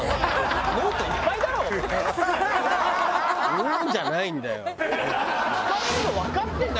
「うーん」じゃないんだよ。